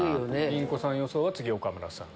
ピン子さん予想は次岡村さん。